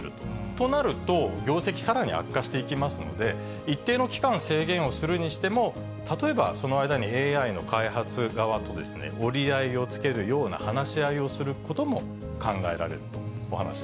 となると、業績さらに悪化していきますので、一定の期間制限するにしても、例えば、その間にＡＩの開発側と折り合いをつけるような話し合いをするこ